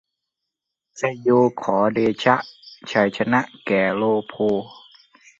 ไชโยขอเดชะ ชัยชนะแก่โลโภ